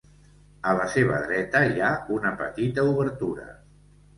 A la seva dreta, hi ha una petita obertura.